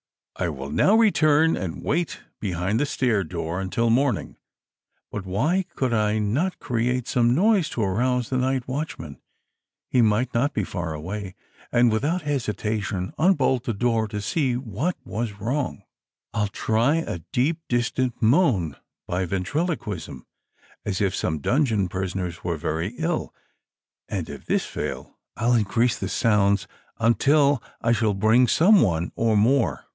"I will now return and wait behind the stair door until morning ; but why could I not create some noise to arouse the night watchman ? lie might not be far away, and without hesitation unbolt the door to see what was wrong. ''I'll try a deep, distant moan by ventriloquism, as if some dungeon prisoners were very ill, and if this fail, I'll increase the sounds \mtil I shall bring some one or more."